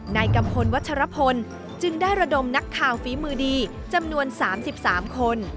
กัมพลวัชรพลจึงได้ระดมนักข่าวฝีมือดีจำนวน๓๓คน